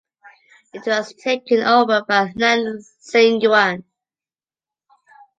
It was taken over by Liang Xingyuan.